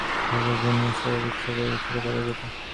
পলকের জন্যে নিসার আলির ইচ্ছা করল ছুটে পালিয়ে যেতে।